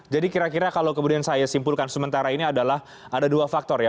jadi kira kira kalau kemudian saya simpulkan sementara ini adalah ada dua faktor ya